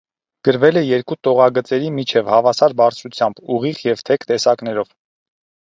Գրվել է երկու տողագծերի միջև, հավասար բարձրությամբ, ուղիղ և թեք տեսակներով։